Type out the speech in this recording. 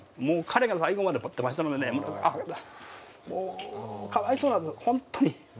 彼が最後まで持ってましたもんでね、かわいそうなんです、本当に。